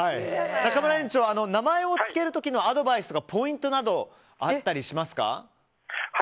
中村園長名前を付ける時のアドバイスポイントなどあったりしますか？